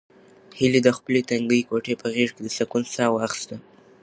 هیلې د خپلې تنګې کوټې په غېږ کې د سکون ساه واخیسته.